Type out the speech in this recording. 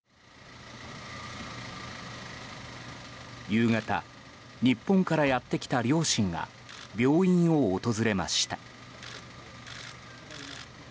夕方、日本からやってきた両親が病院を訪れました。